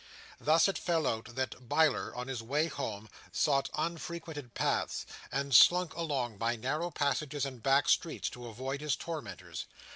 Thus it fell out that Biler, on his way home, sought unfrequented paths; and slunk along by narrow passages and back streets, to avoid his tormentors.